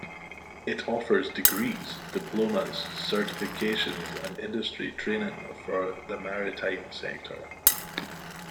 It offers degrees, diplomas, certifications and industry training for the maritime sector.